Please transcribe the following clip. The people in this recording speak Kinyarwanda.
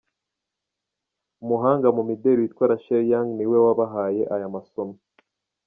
Umuhanga mu mideli witwa Rachel Young ni we wabahaye aya masomo.